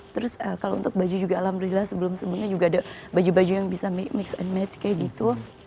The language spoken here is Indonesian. terus kalau untuk baju juga alhamdulillah sebelum sebelumnya juga ada baju baju yang bisa mix and match kayak gitu